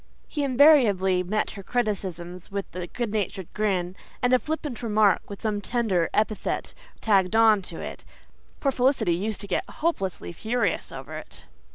He invariably met her criticisms with a good natured grin and a flippant remark with some tender epithet tagged on to it. Poor Felicity used to get hopelessly furious over it.